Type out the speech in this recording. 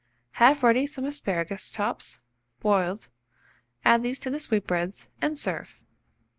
Have ready some asparagus tops, boiled; add these to the sweetbreads, and serve.